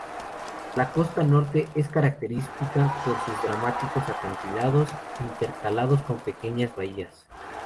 La costa norte es característica por sus dramáticos acantilados intercalados con pequeñas bahías.